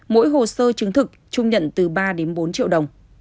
mỗi hồ sơ chứng thực trung nhận từ ba đến bốn triệu đồng